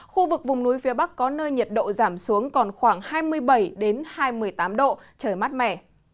khu vực vùng núi phía bắc có nơi nhiệt độ giảm xuống còn khoảng hai mươi bảy hai mươi tám độ trời mát mẻ